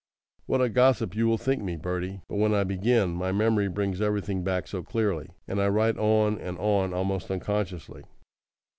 What a gossip you will think me, Bertie? But when I begin, my memory brings everything back so clearly, and I write on and on almost unconsciously.